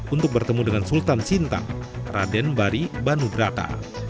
untuk bertemu dengan sultan sintang raden bari banudrata